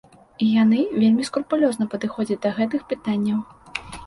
І яны вельмі скрупулёзна падыходзяць да гэтых пытанняў.